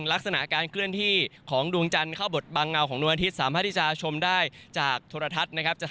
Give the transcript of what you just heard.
ลักษณะการเคลื่อนที่ของดวงจันทร์เข้าบทบางเงาของดวงอาทิตย์สามารถที่จะชมได้จากโทรทัศน์นะครับ